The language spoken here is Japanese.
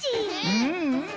うんうん。